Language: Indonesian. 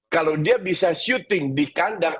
kalau dia bisa syuting di kandang